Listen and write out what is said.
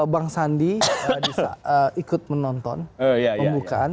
bang sandi ikut menonton pembukaan